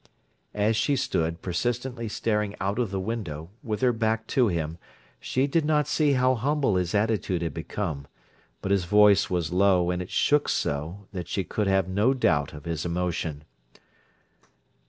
As she stood, persistently staring out of the window, with her back to him, she did not see how humble his attitude had become; but his voice was low, and it shook so that she could have no doubt of his emotion.